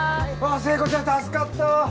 聖子ちゃん助かったわ！